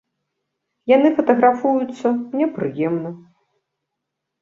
Яны фатаграфуюцца, мне прыемна.